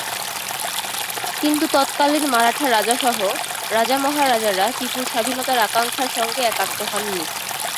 কিন্তু তৎকালীন মারাঠা রাজাসহ রাজা-মহারাজারা টিপুর স্বাধীনতার আকাঙ্ক্ষার সঙ্গে একাত্ম হননি।